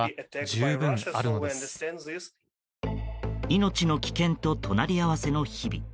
命の危険と隣り合わせの日々。